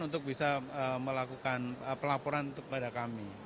untuk bisa melakukan pelaporan kepada kami